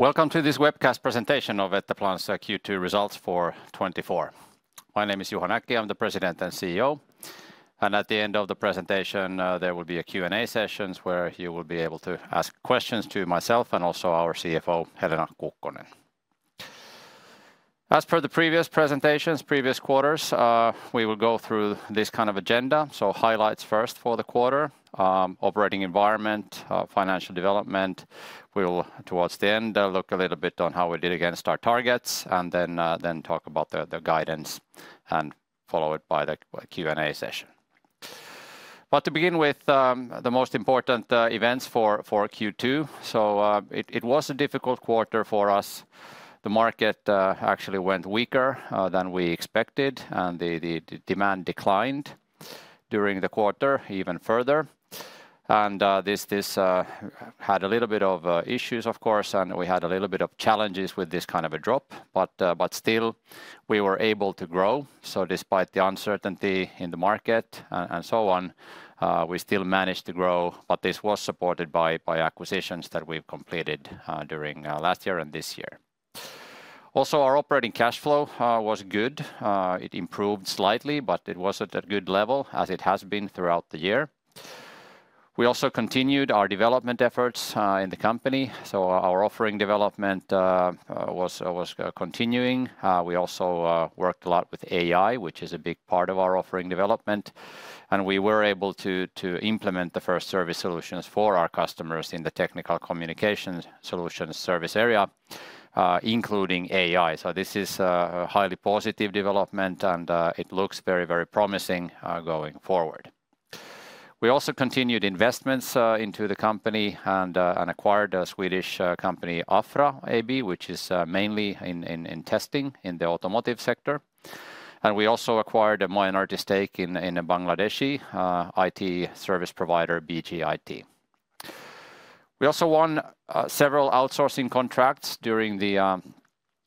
Welcome to this webcast presentation of the Etteplan Q2 results for 2024. My name is Juha Näkki, I'm the President and CEO, and at the end of the presentation, there will be a Q&A session where you will be able to ask questions to myself and also our CFO, Helena Kukkonen. As per the previous presentations, previous quarters, we will go through this kind of agenda. So highlights first for the quarter, operating environment, financial development. We'll, towards the end, look a little bit on how we did against our targets, and then, then talk about the, the guidance and follow it by the Q&A session. But to begin with, the most important events for Q2. So, it was a difficult quarter for us. The market actually went weaker than we expected, and the demand declined during the quarter even further. And this had a little bit of issues, of course, and we had a little bit of challenges with this kind of a drop, but still, we were able to grow. So despite the uncertainty in the market and so on, we still managed to grow, but this was supported by acquisitions that we've completed during last year and this year. Also, our operating cash flow was good. It improved slightly, but it was at a good level, as it has been throughout the year. We also continued our development efforts in the company, so our offering development was continuing. We also worked a lot with AI, which is a big part of our offering development, and we were able to implement the first service solutions for our customers in the technical communication solutions service area, including AI. So this is a highly positive development, and it looks very, very promising going forward. We also continued investments into the company, and acquired a Swedish company, Affeo AB, which is mainly in testing in the automotive sector. And we also acquired a minority stake in a Bangladeshi IT service provider, BJIT. We also won several outsourcing contracts during the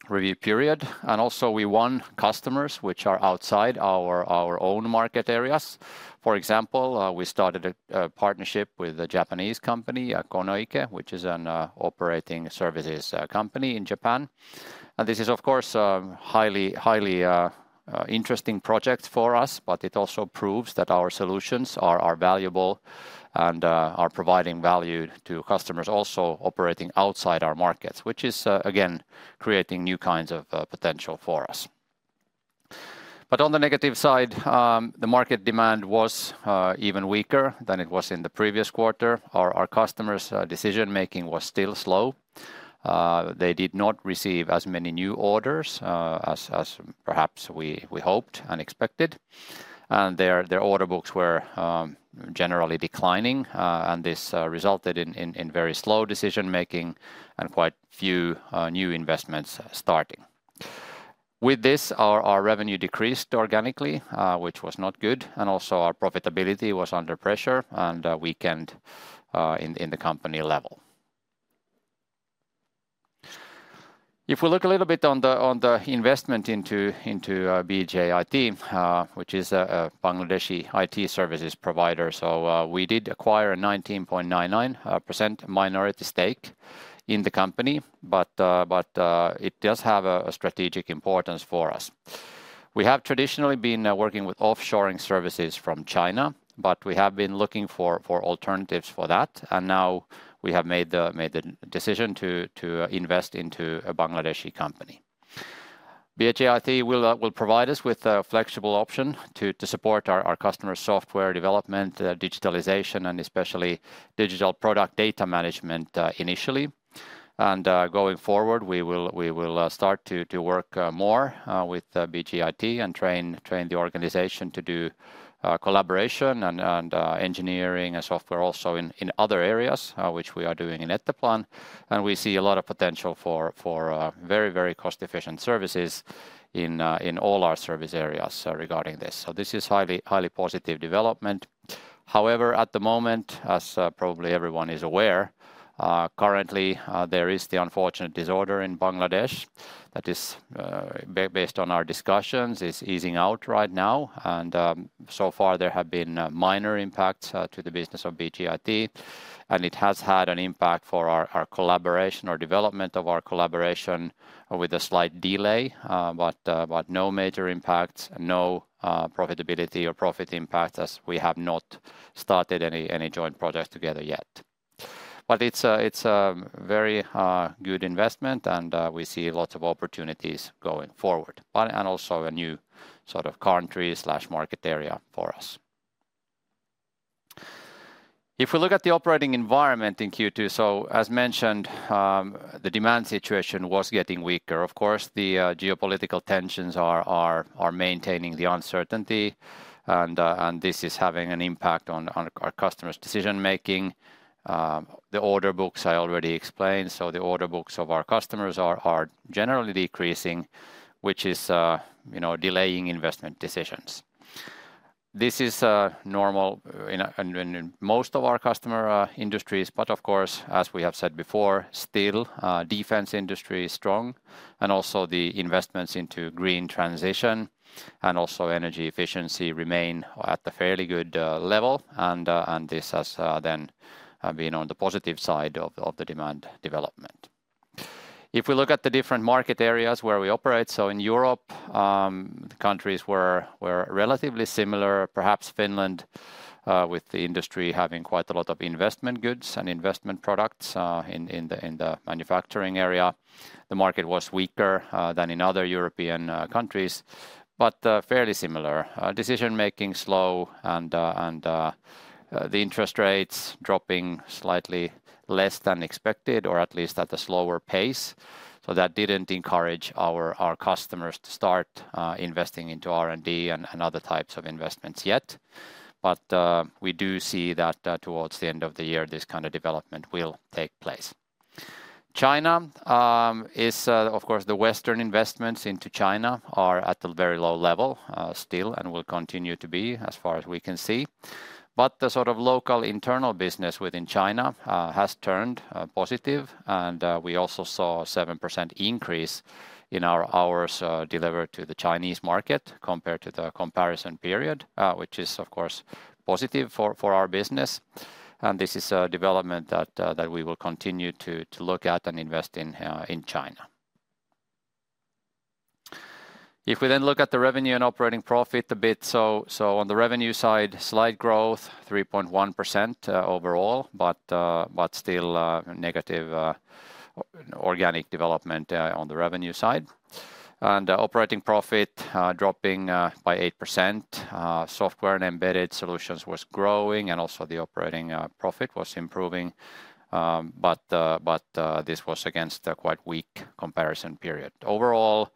review period, and also we won customers which are outside our own market areas. For example, we started a partnership with a Japanese company, Konoike, which is an operating services company in Japan. And this is, of course, a highly, highly interesting project for us, but it also proves that our solutions are valuable and are providing value to customers also operating outside our markets, which is, again, creating new kinds of potential for us. But on the negative side, the market demand was even weaker than it was in the previous quarter. Our customers' decision-making was still slow. They did not receive as many new orders as perhaps we hoped and expected. And their order books were generally declining, and this resulted in very slow decision-making and quite few new investments starting. With this, our revenue decreased organically, which was not good, and also our profitability was under pressure and weakened in the company level. If we look a little bit on the investment into BJIT, which is a Bangladeshi IT services provider, so we did acquire a 19.99% minority stake in the company, but it does have a strategic importance for us. We have traditionally been working with offshoring services from China, but we have been looking for alternatives for that, and now we have made the decision to invest into a Bangladeshi company. BJIT will provide us with a flexible option to support our customers' software development, digitalization, and especially digital product data management, initially. Going forward, we will start to work more with BJIT and train the organization to do collaboration and engineering and software also in other areas which we are doing in at Wärtsilä. We see a lot of potential for very cost-efficient services in all our service areas regarding this. So this is highly positive development. However, at the moment, as probably everyone is aware, currently there is the unfortunate disorder in Bangladesh that is, based on our discussions, easing out right now. So far, there have been minor impacts to the business of BJIT, and it has had an impact for our collaboration or development of our collaboration, with a slight delay, but no major impacts, no profitability or profit impact, as we have not started any joint projects together yet. But it's a very good investment, and we see lots of opportunities going forward, and also a new sort of country/market area for us. If we look at the operating environment in Q2, so as mentioned, the demand situation was getting weaker. Of course, the geopolitical tensions are maintaining the uncertainty, and this is having an impact on our customers' decision-making. The order books I already explained, so the order books of our customers are generally decreasing, which is, you know, delaying investment decisions. This is normal in most of our customer industries, but of course, as we have said before, still, defense industry is strong, and also the investments into green transition and also energy efficiency remain at a fairly good level, and this has then been on the positive side of the demand development. If we look at the different market areas where we operate, so in Europe, the countries were relatively similar. Perhaps Finland, with the industry having quite a lot of investment goods and investment products in the manufacturing area. The market was weaker than in other European countries, but fairly similar. Decision-making slow and the interest rates dropping slightly less than expected, or at least at a slower pace. So that didn't encourage our customers to start investing into R&D and other types of investments yet. But we do see that towards the end of the year, this kind of development will take place. China is. Of course, the Western investments into China are at a very low level still, and will continue to be as far as we can see. But the sort of local internal business within China has turned positive, and we also saw a 7% increase in our hours delivered to the Chinese market compared to the comparison period, which is, of course, positive for our business. This is a development that we will continue to look at and invest in China. If we then look at the revenue and operating profit a bit, so on the revenue side, slight growth, 3.1%, overall, but still negative organic development on the revenue side. Operating profit dropping by 8%. Software and Embedded Solutions was growing, and also the operating profit was improving. But this was against a quite weak comparison period. Overall,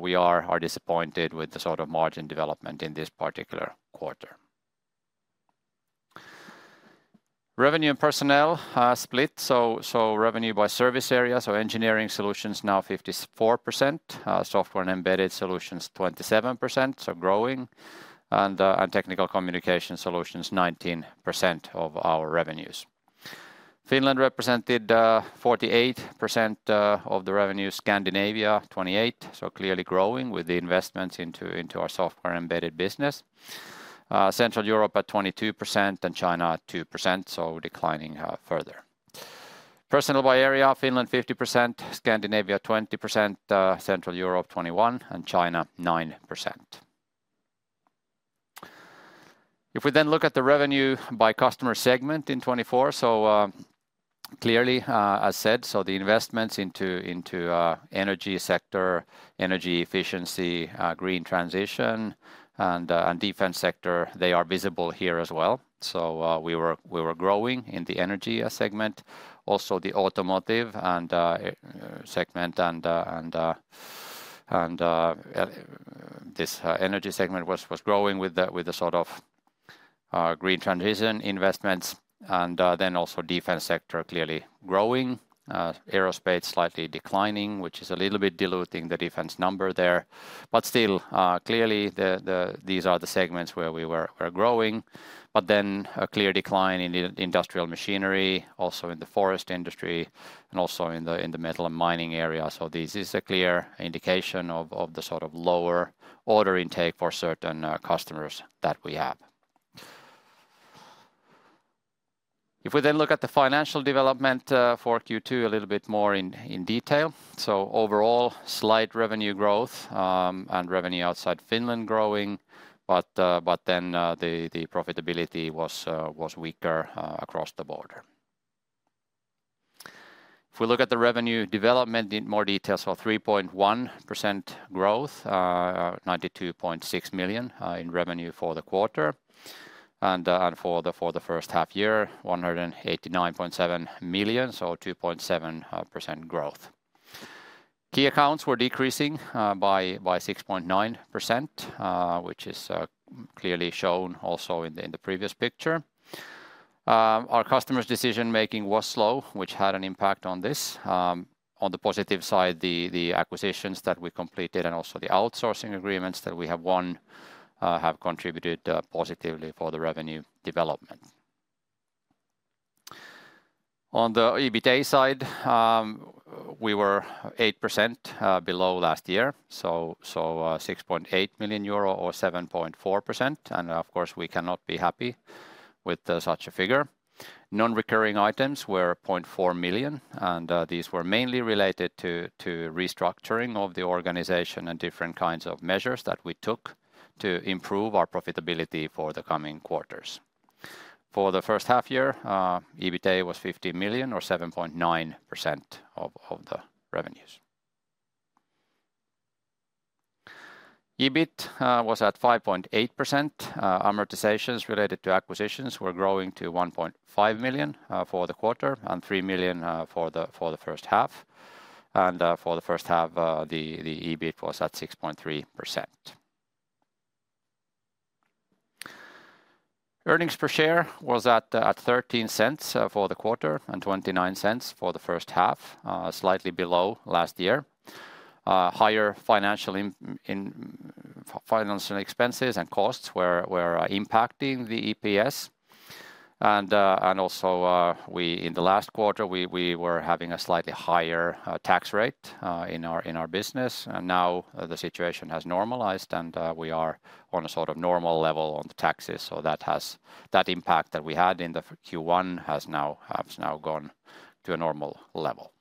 we are disappointed with the sort of margin development in this particular quarter. Revenue and personnel split. So, revenue by service area, so Engineering Solutions now 54%, Software and Embedded Solutions, 27%, so growing, and, and Technical Communication Solutions, 19% of our revenues. Finland represented, 48% of the revenue; Scandinavia, 28, so clearly growing with the investments into, into our Software and Embedded business. Central Europe at 22%, and China at 2%, so declining, further. Personnel by area: Finland, 50%; Scandinavia, 20%; Central Europe, 21; and China, 9%. If we then look at the revenue by customer segment in 2024, so, clearly, as said, so the investments into, into, energy sector, energy efficiency, green transition, and, and defense sector, they are visible here as well. So, we were growing in the energy segment, also the automotive segment and this energy segment was growing with the sort of green transition investments. And, then also defense sector clearly growing. Aerospace slightly declining, which is a little bit diluting the defense number there. But still, clearly, these are the segments where we were, are growing. But then a clear decline in the industrial machinery, also in the forest industry, and also in the metal and mining area. So this is a clear indication of the sort of lower order intake for certain customers that we have. If we then look at the financial development for Q2 a little bit more in detail. So overall, slight revenue growth, and revenue outside Finland growing, but the profitability was weaker across the board. If we look at the revenue development in more detail, three point one percent growth, 92.6 million in revenue for the quarter. And for the first half year, 189.7 million, so 2.7% growth. Key accounts were decreasing by 6.9%, which is clearly shown also in the previous picture. On the positive side, the acquisitions that we completed and also the outsourcing agreements that we have won have contributed positively for the revenue development. On the EBITA side, we were 8% below last year, 6.8 million euro, or 7.4%, and of course, we cannot be happy with such a figure. Non-recurring items were 0.4 million, and these were mainly related to restructuring of the organization and different kinds of measures that we took to improve our profitability for the coming quarters. For the first half year, EBITA was 50 million, or 7.9% of the revenues. EBIT was at 5.8%. Amortizations related to acquisitions were growing to 1.5 million for the quarter, and 3 million for the first half. For the first half, the EBIT was at 6.3%. Earnings per share was at 0.13 for the quarter, and 0.29 for the first half, slightly below last year. Higher financial expenses and costs were impacting the EPS. And also, we in the last quarter were having a slightly higher tax rate in our business. Now, the situation has normalized and we are on a sort of normal level on the taxes, so that has. That impact that we had in the Q1 has now gone to a normal level.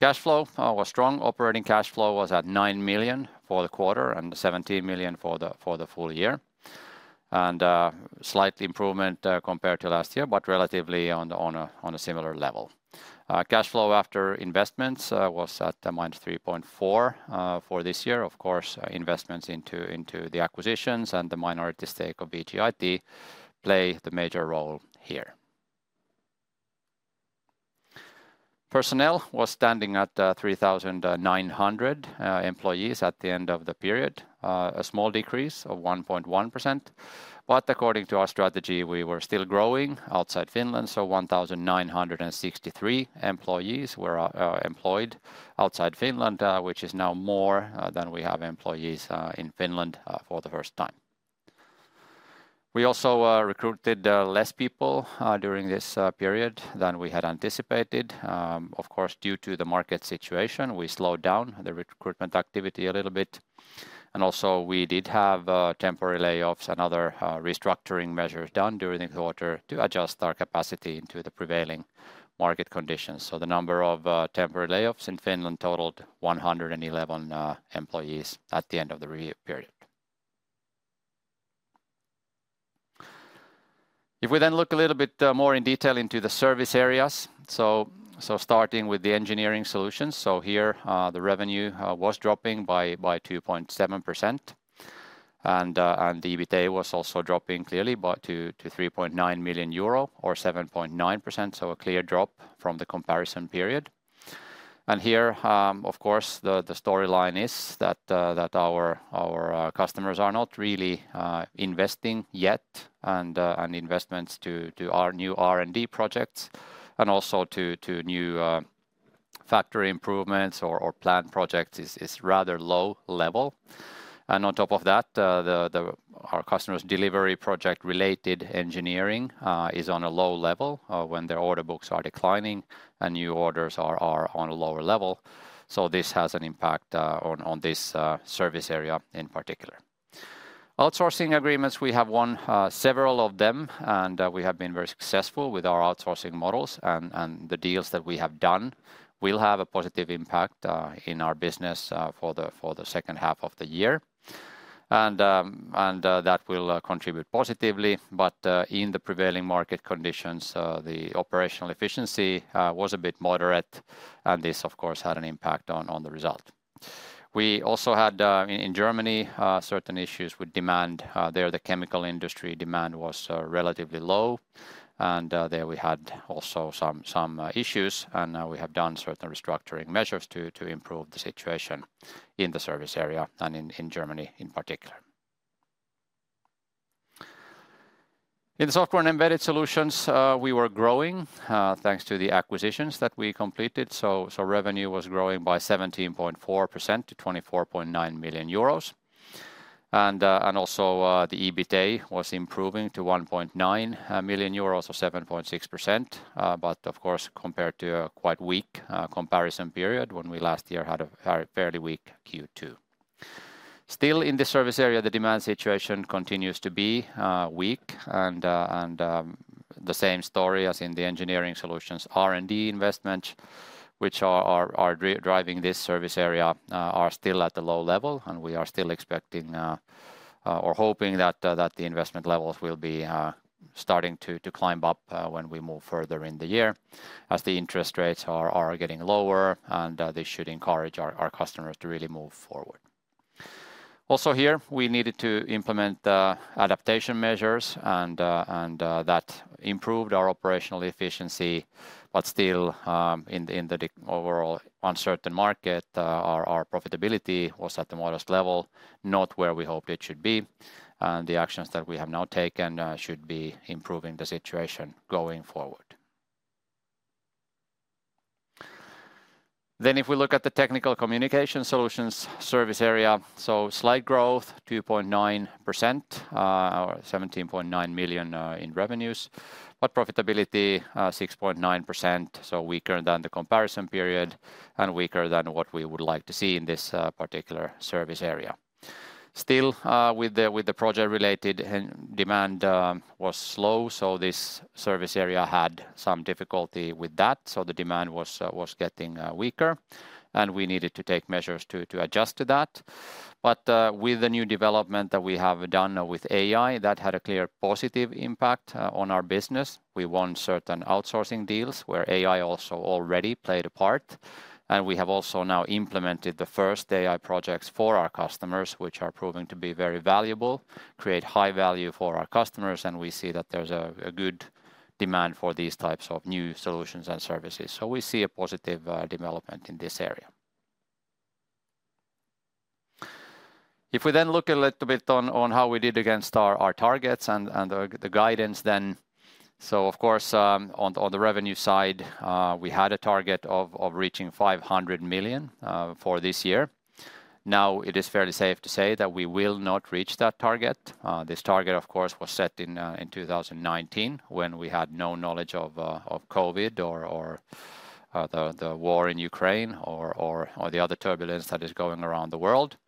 Cash flow was strong. Operating cash flow was at 9 million for the quarter, and 17 million for the full year. Slight improvement compared to last year, but relatively on a similar level. Cash flow after investments was at -3.4 for this year. Of course, investments into the acquisitions and the minority stake of BJIT play the major role here. Personnel was standing at 3,900 employees at the end of the period. A small decrease of 1.1%. But according to our strategy, we were still growing outside Finland, so 1,963 employees were employed outside Finland, which is now more than we have employees in Finland for the first time. We also recruited less people during this period than we had anticipated. Of course, due to the market situation, we slowed down the recruitment activity a little bit, and also we did have temporary layoffs and other restructuring measures done during the quarter to adjust our capacity into the prevailing market conditions. So the number of temporary layoffs in Finland totaled 111 employees at the end of the reporting period. If we then look a little bit more in detail into the service areas. So starting with the Engineering Solutions, so here the revenue was dropping by 2.7%. And the EBITDA was also dropping clearly, but to 3.9 million euro, or 7.9%, so a clear drop from the comparison period. Here, of course, the storyline is that our customers are not really investing yet, and investments to our new R&D projects, and also to new factory improvements or plant projects is rather low level. On top of that, our customers' delivery project-related engineering is on a low level when their order books are declining and new orders are on a lower level. So this has an impact on this service area in particular. Outsourcing agreements, we have won several of them, and we have been very successful with our outsourcing models, and the deals that we have done will have a positive impact in our business for the second half of the year. That will contribute positively, but in the prevailing market conditions, the operational efficiency was a bit moderate, and this, of course, had an impact on the result. We also had in Germany certain issues with demand. There, the chemical industry demand was relatively low, and there we had also some issues, and now we have done certain restructuring measures to improve the situation in the service area and in Germany in particular. In the software and embedded solutions, we were growing thanks to the acquisitions that we completed. So, revenue was growing by 17.4% to 24.9 million euros. And also, the EBITDA was improving to 1.9 million euros or 7.6%. But of course, compared to a quite weak comparison period, when we last year had a fairly weak Q2. Still, in this service area, the demand situation continues to be weak, and the same story as in the Engineering Solutions R&D investment, which are driving this service area, are still at a low level, and we are still expecting or hoping that that the investment levels will be starting to climb up, when we move further in the year, as the interest rates are getting lower, and they should encourage our customers to really move forward. Also here, we needed to implement adaptation measures, and that improved our operational efficiency. But still, in the overall uncertain market, our profitability was at the modest level, not where we hoped it should be. The actions that we have now taken should be improving the situation going forward. If we look at the technical communication solutions service area, so slight growth, 2.9%, or 17.9 million in revenues, but profitability, 6.9%, so weaker than the comparison period and weaker than what we would like to see in this particular service area. Still, with the project-related demand was slow, so this service area had some difficulty with that, so the demand was getting weaker, and we needed to take measures to adjust to that. But, with the new development that we have done with AI, that had a clear positive impact on our business. We won certain outsourcing deals where AI also already played a part, and we have also now implemented the first AI projects for our customers, which are proving to be very valuable, create high value for our customers, and we see that there's a good demand for these types of new solutions and services. So we see a positive development in this area. If we then look a little bit on how we did against our targets and the guidance then... So of course, on the revenue side, we had a target of reaching 500 million for this year. Now, it is fairly safe to say that we will not reach that target. This target, of course, was set in 2019, when we had no knowledge of COVID or the war in Ukraine or the other turbulence that is going around the world.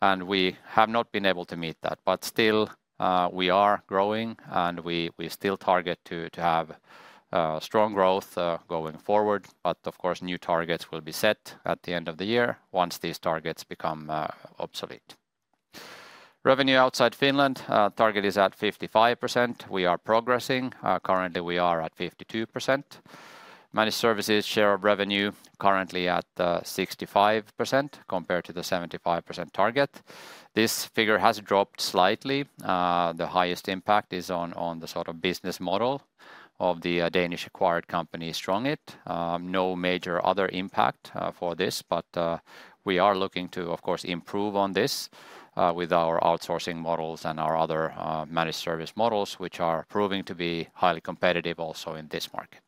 And we have not been able to meet that. But still, we are growing, and we still target to have strong growth going forward. But of course, new targets will be set at the end of the year once these targets become obsolete. Revenue outside Finland target is at 55%. We are progressing. Currently we are at 52%. Managed services share of revenue currently at 65% compared to the 75% target. This figure has dropped slightly. The highest impact is on the sort of business model of the Danish-acquired company, StrongIT. No major other impact for this, but we are looking to, of course, improve on this with our outsourcing models and our other managed service models, which are proving to be highly competitive also in this market.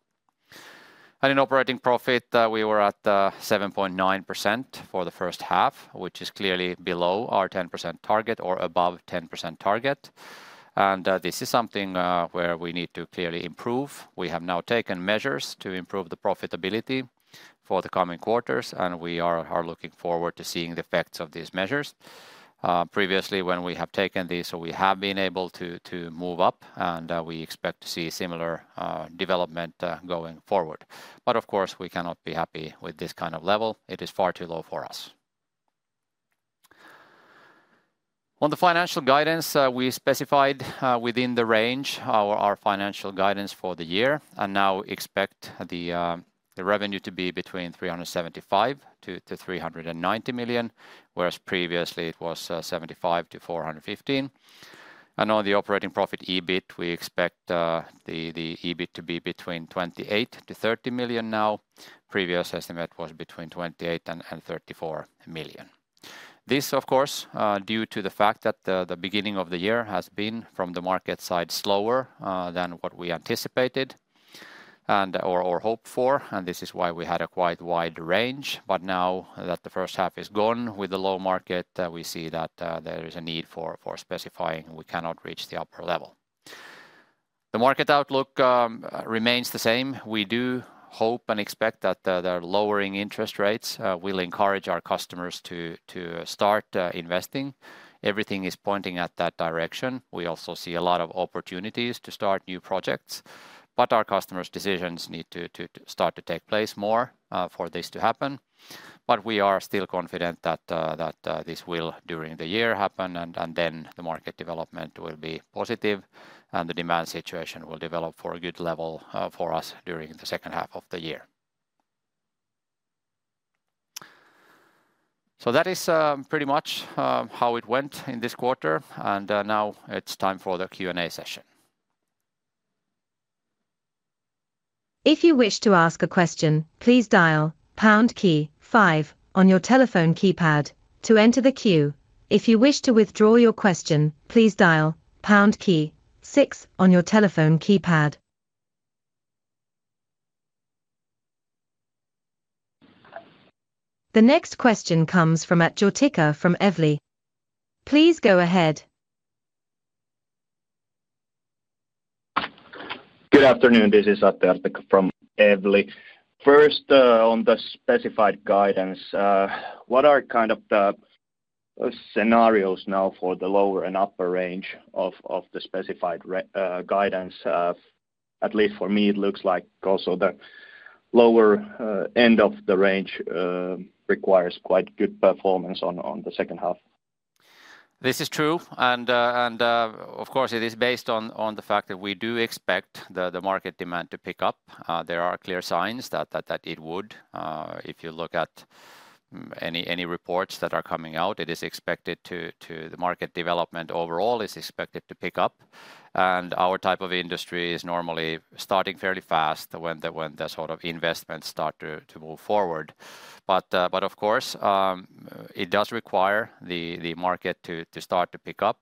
In operating profit, we were at 7.9% for the first half, which is clearly below our 10% target or above 10% target. This is something where we need to clearly improve. We have now taken measures to improve the profitability for the coming quarters, and we are looking forward to seeing the effects of these measures. Previously, when we have taken these, we have been able to move up, and we expect to see similar development going forward. But of course, we cannot be happy with this kind of level. It is far too low for us. On the financial guidance, we specified within the range our financial guidance for the year, and now expect the revenue to be between 375 million-390 million, whereas previously it was 375 million-415 million. On the operating profit, EBIT, we expect the EBIT to be between 28 million-30 million now. Previous estimate was between 28 and 34 million. This, of course, due to the fact that the beginning of the year has been, from the market side, slower than what we anticipated or hoped for, and this is why we had a quite wide range. But now that the first half is gone with the low market, we see that there is a need for specifying we cannot reach the upper level. The market outlook remains the same. We do hope and expect that the lowering interest rates will encourage our customers to start investing. Everything is pointing at that direction. We also see a lot of opportunities to start new projects, but our customers' decisions need to start to take place more for this to happen. But we are still confident that this will, during the year, happen, and then the market development will be positive, and the demand situation will develop for a good level for us during the second half of the year. That is pretty much how it went in this quarter, and now it's time for the Q&A session. If you wish to ask a question, please dial pound key five on your telephone keypad to enter the queue. If you wish to withdraw your question, please dial pound key six on your telephone keypad. The next question comes from Atte Heikura from Evli. Please go ahead. Good afternoon, this is Atte Heikura from Evli. First, on the specified guidance, what are kind of the scenarios now for the lower and upper range of the specified guidance? At least for me, it looks like also the lower end of the range requires quite good performance on the second half. This is true, and of course it is based on the fact that we do expect the market demand to pick up. There are clear signs that it would. If you look at any reports that are coming out, the market development overall is expected to pick up, and our type of industry is normally starting fairly fast when the sort of investments start to move forward. But of course, it does require the market to start to pick up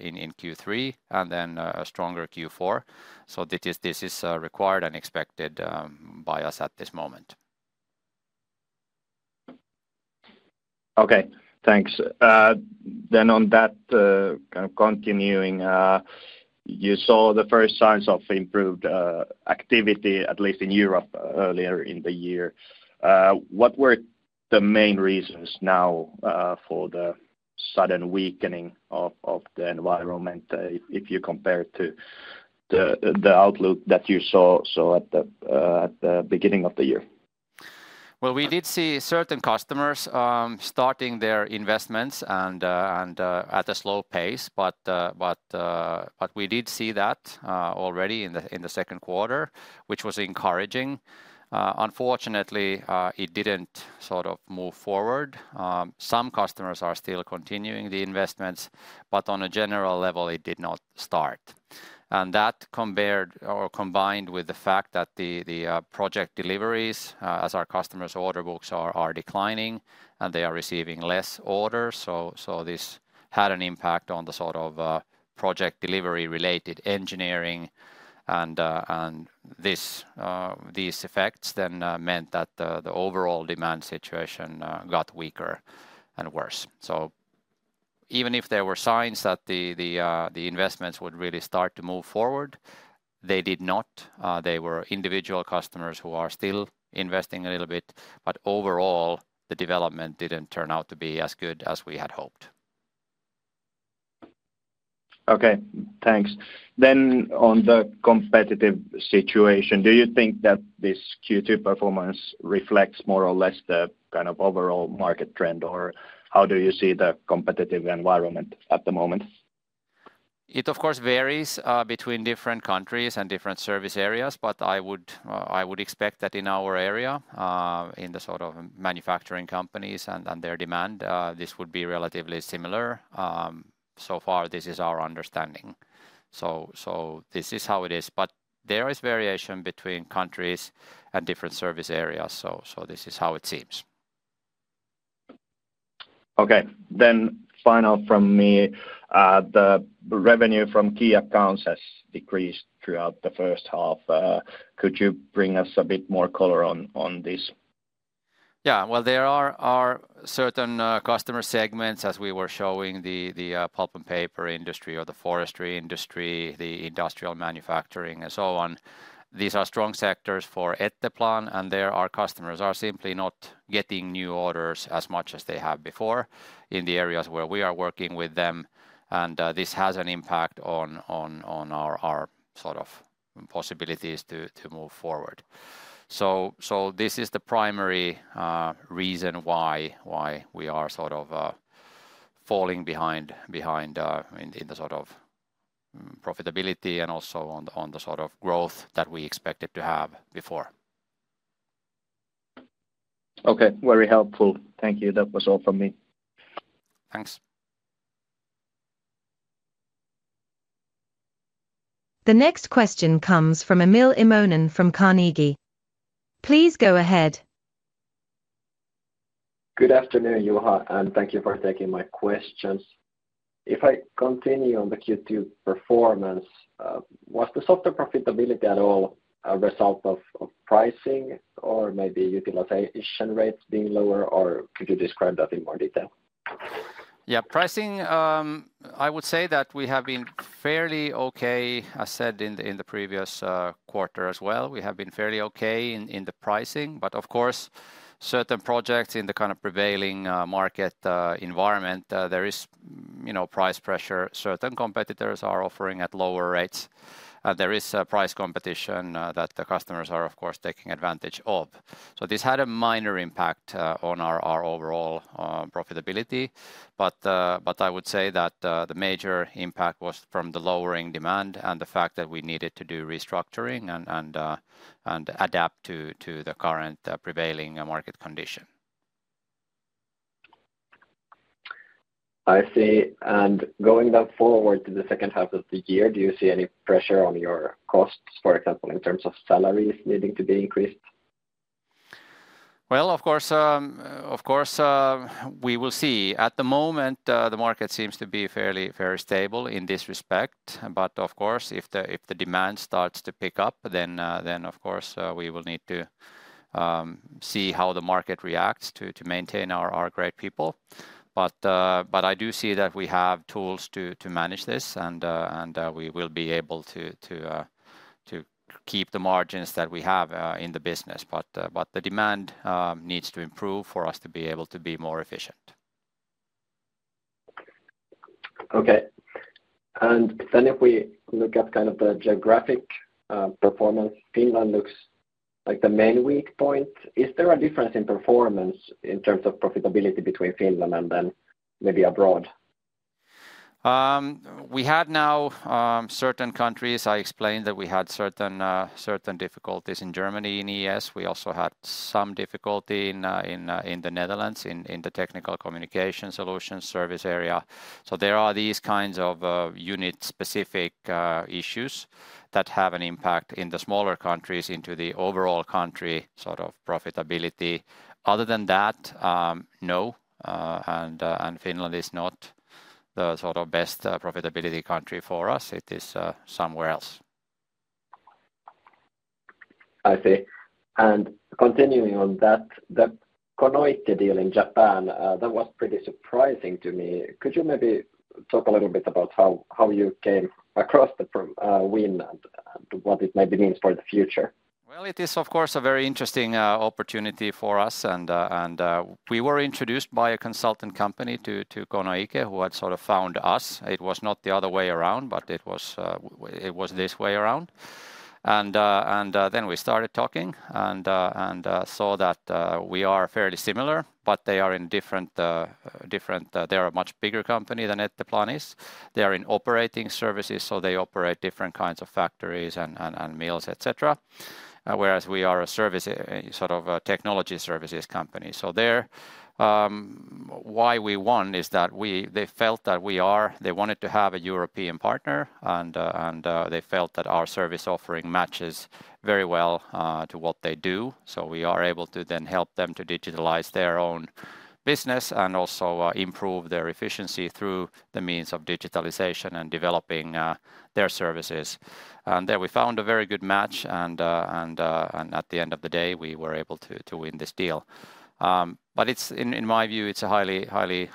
in Q3, and then a stronger Q4. So this is required and expected by us at this moment. Okay, thanks. Then on that, kind of continuing, you saw the first signs of improved activity, at least in Europe, earlier in the year. What were the main reasons now for the sudden weakening of the environment, if you compare to the outlook that you saw at the beginning of the year? Well, we did see certain customers starting their investments and at a slow pace, but we did see that already in the second quarter, which was encouraging. Unfortunately, it didn't sort of move forward. Some customers are still continuing the investments, but on a general level, it did not start. And that compared, or combined with the fact that the project deliveries, as our customers' order books are declining, and they are receiving less orders, so this had an impact on the sort of project delivery-related engineering. And these effects then meant that the overall demand situation got weaker and worse. So even if there were signs that the investments would really start to move forward, they did not. There were individual customers who are still investing a little bit, but overall, the development didn't turn out to be as good as we had hoped. Okay, thanks. Then on the competitive situation, do you think that this Q2 performance reflects more or less the kind of overall market trend? Or how do you see the competitive environment at the moment? It, of course, varies between different countries and different service areas, but I would expect that in our area, in the sort of manufacturing companies and their demand, this would be relatively similar. So far, this is our understanding. So, this is how it is, but there is variation between countries and different service areas. So, this is how it seems. Okay. Then final from me, the revenue from key accounts has decreased throughout the first half. Could you bring us a bit more color on, on this? Yeah. Well, there are certain customer segments, as we were showing, the pulp and paper industry or the forestry industry, the industrial manufacturing, and so on. These are strong sectors for Etteplan, and there our customers are simply not getting new orders as much as they have before in the areas where we are working with them, and this has an impact on our sort of possibilities to move forward. So this is the primary reason why we are sort of falling behind in the sort of profitability and also on the sort of growth that we expected to have before. Okay, very helpful. Thank you. That was all from me. Thanks. The next question comes from Emil Immonen, from Carnegie. Please go ahead. Good afternoon, Juha, and thank you for taking my questions. If I continue on the Q2 performance, was the softer profitability at all a result of pricing or maybe utilization rates being lower, or could you describe that in more detail? Yeah, pricing, I would say that we have been fairly okay, as said in the, in the previous, quarter as well. We have been fairly okay in, in the pricing, but of course, certain projects in the kind of prevailing, market, environment, there is, you know, price pressure. Certain competitors are offering at lower rates. There is a price competition, that the customers are, of course, taking advantage of. So this had a minor impact, on our, our overall, profitability, but, but I would say that, the major impact was from the lowering demand and the fact that we needed to do restructuring and, and, and adapt to, to the current prevailing market condition. I see. And going then forward to the second half of the year, do you see any pressure on your costs, for example, in terms of salaries needing to be increased? Well, of course, of course, we will see. At the moment, the market seems to be fairly, fairly stable in this respect, but of course, if the, if the demand starts to pick up, then, then, of course, we will need to see how the market reacts to, to maintain our, our great people. But, but I do see that we have tools to, to manage this, and, and, we will be able to, to, to keep the margins that we have, in the business. But, but the demand, needs to improve for us to be able to be more efficient. Okay. And then if we look at kind of the geographic performance, Finland looks like the main weak point. Is there a difference in performance in terms of profitability between Finland and then maybe abroad? We have now certain countries. I explained that we had certain difficulties in Germany, in ES. We also had some difficulty in the Netherlands, in the technical communication solution service area. So there are these kinds of unit-specific issues that have an impact in the smaller countries into the overall country, sort of, profitability. Other than that, no, and Finland is not the, sort of, best profitability country for us. It is somewhere else. I see. And continuing on that, the Konoike deal in Japan, that was pretty surprising to me. Could you maybe talk a little bit about how you came across them from when and what it maybe means for the future? Well, it is, of course, a very interesting opportunity for us, and we were introduced by a consultant company to Konoike, who had sort of found us. It was not the other way around, but it was this way around. And then we started talking and saw that we are fairly similar, but they are a much bigger company than Etteplan is. They are in operating services, so they operate different kinds of factories and mills, et cetera, whereas we are a service, sort of a technology services company. So there, why we won is that they wanted to have a European partner, and they felt that our service offering matches very well to what they do. So we are able to then help them to digitalize their own business and also improve their efficiency through the means of digitalization and developing their services. And there we found a very good match, and at the end of the day, we were able to win this deal. But it's... In my view, it's a highly, highly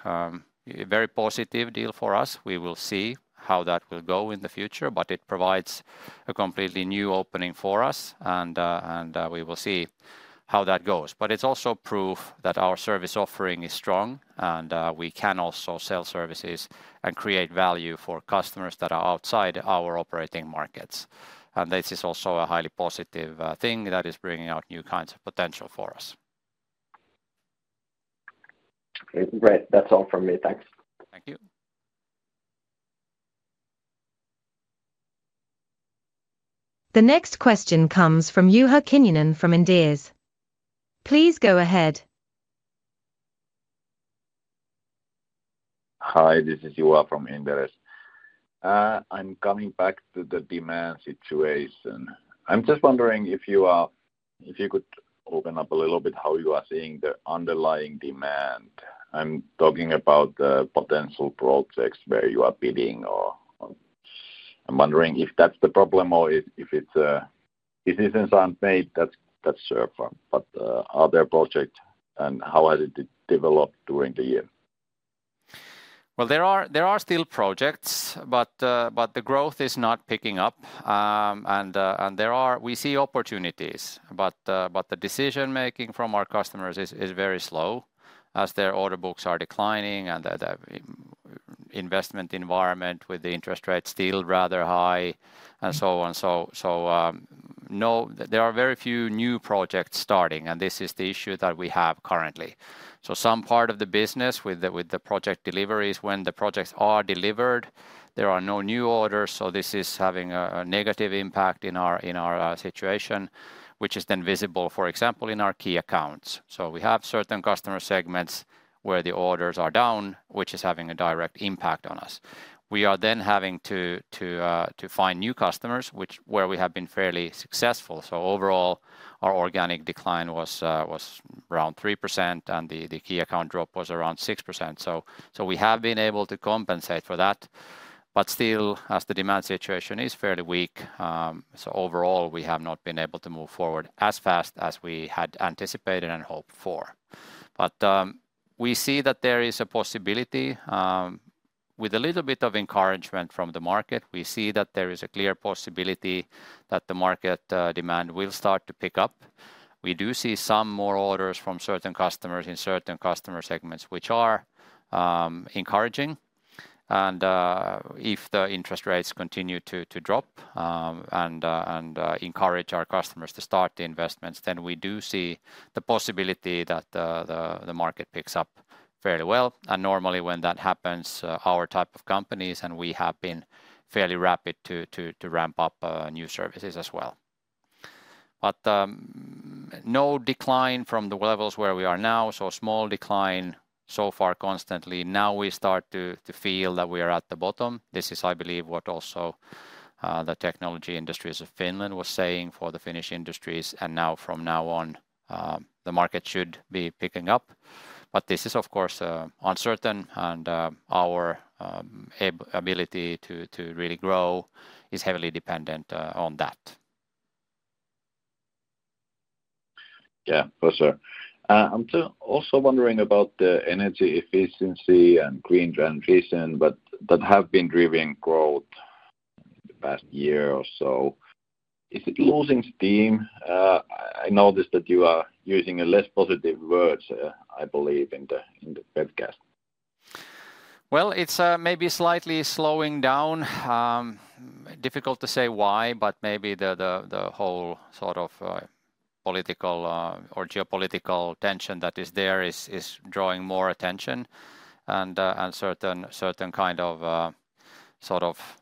very positive deal for us. We will see how that will go in the future, but it provides a completely new opening for us, and we will see how that goes. But it's also proof that our service offering is strong, and we can also sell services and create value for customers that are outside our operating markets. And this is also a highly positive thing that is bringing out new kinds of potential for us. Great. That's all from me. Thanks. Thank you. The next question comes from Juha Kinnunen from Inderes. Please go ahead. Hi, this is Juha from Inderes. I'm coming back to the demand situation. I'm just wondering if you could open up a little bit how you are seeing the underlying demand. I'm talking about the potential projects where you are bidding, or I'm wondering if that's the problem, or if it's decisions aren't made, that's fair. But are there projects, and how has it developed during the year? Well, there are still projects, but the growth is not picking up. And there are... We see opportunities, but the decision-making from our customers is very slow, as their order books are declining and the investment environment with the interest rates still rather high, and so on. So, no, there are very few new projects starting, and this is the issue that we have currently. So some part of the business with the project deliveries, when the projects are delivered, there are no new orders, so this is having a negative impact in our situation, which is then visible, for example, in our key accounts. So we have certain customer segments where the orders are down, which is having a direct impact on us. We are then having to find new customers, where we have been fairly successful. So overall, our organic decline was around 3%, and the key account drop was around 6%. So we have been able to compensate for that, but still, as the demand situation is fairly weak, so overall we have not been able to move forward as fast as we had anticipated and hoped for. But we see that there is a possibility, with a little bit of encouragement from the market, we see that there is a clear possibility that the market demand will start to pick up. We do see some more orders from certain customers in certain customer segments, which are encouraging. And if the interest rates continue to drop and encourage our customers to start the investments, then we do see the possibility that the market picks up fairly well. And normally, when that happens, our type of companies, and we have been fairly rapid to ramp up new services as well. But no decline from the levels where we are now, so small decline so far, constantly. Now we start to feel that we are at the bottom. This is, I believe, what also the Technology Industries of Finland was saying for the Finnish industries, and now from now on the market should be picking up. But this is, of course, uncertain, and our ability to really grow is heavily dependent on that. Yeah, for sure. I'm still also wondering about the energy efficiency and green transition, but that have been driving growth the past year or so. Is it losing steam? I noticed that you are using a less positive words, I believe, in the webcast. Well, it's maybe slightly slowing down. Difficult to say why, but maybe the whole sort of political or geopolitical tension that is there is drawing more attention. And certain kind of sort of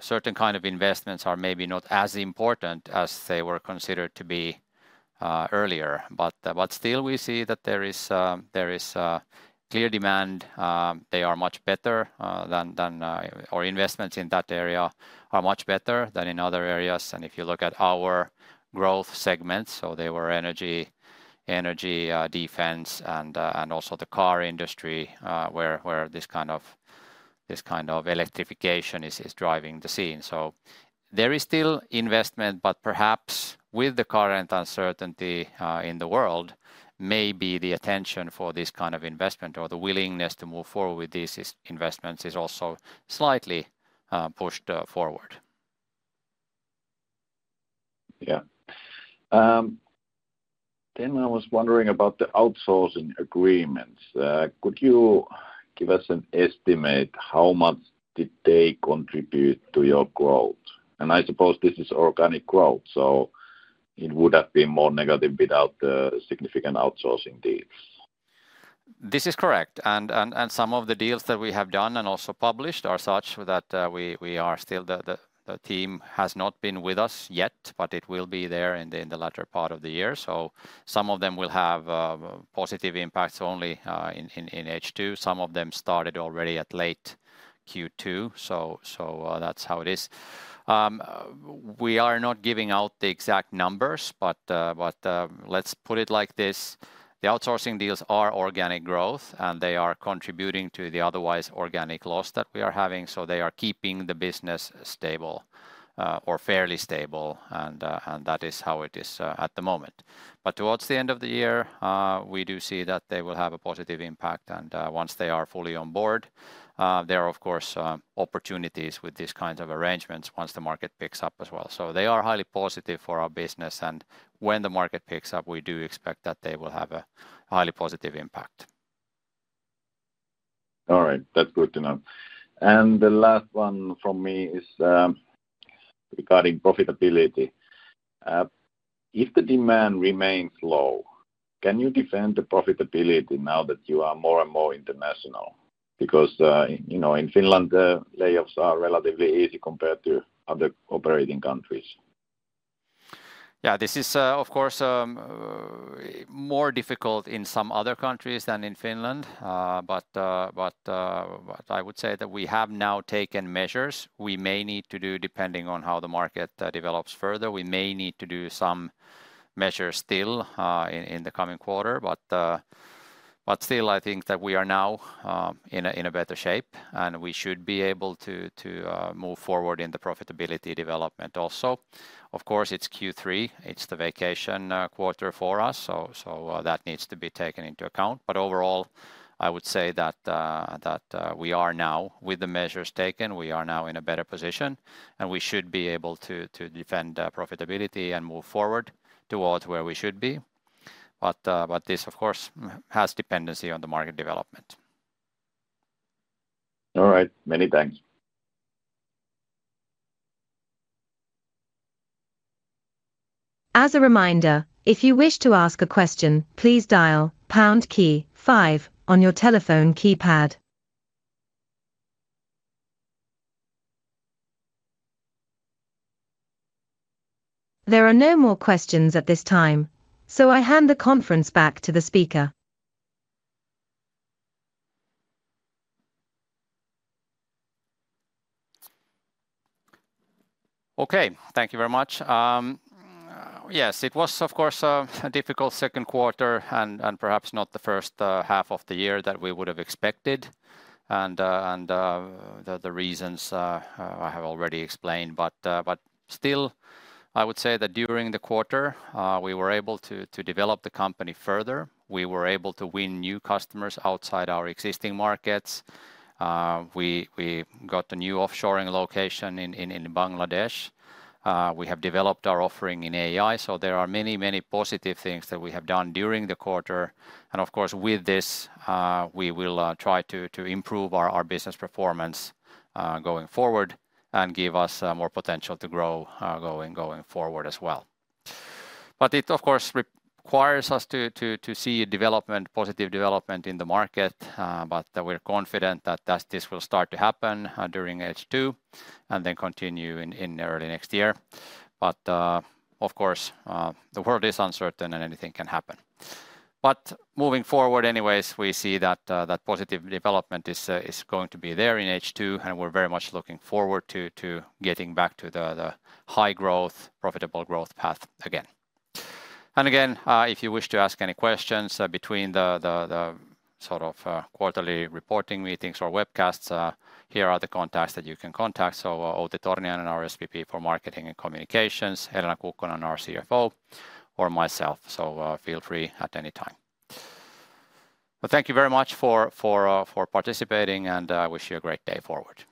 certain kind of investments are maybe not as important as they were considered to be earlier. But still, we see that there is clear demand. They are much better, or investments in that area are much better than in other areas. And if you look at our growth segments, so they were energy, defense, and also the car industry, where this kind of electrification is driving the scene. So there is still investment, but perhaps with the current uncertainty in the world, maybe the attention for this kind of investment or the willingness to move forward with these investments is also slightly pushed forward. Yeah. Then I was wondering about the outsourcing agreements. Could you give us an estimate, how much did they contribute to your growth? I suppose this is organic growth, so it would have been more negative without the significant outsourcing deals. This is correct. Some of the deals that we have done and also published are such that we are still. The team has not been with us yet, but it will be there in the latter part of the year. So some of them will have positive impacts only in H2. Some of them started already at late Q2, so that's how it is. We are not giving out the exact numbers, but let's put it like this: the outsourcing deals are organic growth, and they are contributing to the otherwise organic loss that we are having, so they are keeping the business stable or fairly stable, and that is how it is at the moment. But towards the end of the year, we do see that they will have a positive impact. And, once they are fully on board, there are of course, opportunities with these kinds of arrangements once the market picks up as well. So they are highly positive for our business, and when the market picks up, we do expect that they will have a highly positive impact. All right, that's good to know. And the last one from me is, regarding profitability. If the demand remains low, can you defend the profitability now that you are more and more international? Because, you know, in Finland, the layoffs are relatively easy compared to other operating countries. Yeah, this is, of course, more difficult in some other countries than in Finland. But I would say that we have now taken measures we may need to do, depending on how the market develops further. We may need to do some measures still, in the coming quarter, but still, I think that we are now in a better shape, and we should be able to move forward in the profitability development also. Of course, it's Q3, it's the vacation quarter for us, so that needs to be taken into account. But overall, I would say that we are now, with the measures taken, in a better position, and we should be able to defend profitability and move forward towards where we should be. But this, of course, has dependency on the market development. All right. Many thanks. As a reminder, if you wish to ask a question, please dial pound key five on your telephone keypad. There are no more questions at this time, so I hand the conference back to the speaker. Okay, thank you very much. Yes, it was, of course, a difficult second quarter and perhaps not the first half of the year that we would have expected. The reasons I have already explained. But still, I would say that during the quarter, we were able to develop the company further. We were able to win new customers outside our existing markets. We got a new offshoring location in Bangladesh. We have developed our offering in AI, so there are many, many positive things that we have done during the quarter. And of course, with this, we will try to improve our business performance going forward and give us more potential to grow going forward as well. But it, of course, requires us to see development, positive development in the market, but we're confident that this will start to happen during H2 and then continue in early next year. But, of course, the world is uncertain and anything can happen. But moving forward anyways, we see that positive development is going to be there in H2, and we're very much looking forward to getting back to the high growth, profitable growth path again. And again, if you wish to ask any questions between the sort of quarterly reporting meetings or webcasts, here are the contacts that you can contact. So Outi Torniainen, our SVP for Marketing and Communications, Helena Kukkonen, our CFO, or myself. So, feel free at any time. Thank you very much for participating, and I wish you a great day forward.